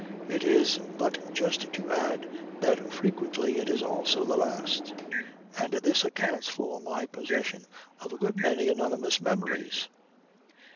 It is but just to add that frequently it is also the last, and this accounts for my possession of a good many anonymous memories.